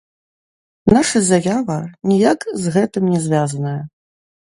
Наша заява ніяк з гэтым не звязаная.